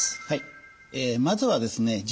はいまずはですね